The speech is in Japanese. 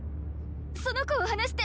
その子を放して。